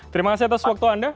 terima kasih atas waktu anda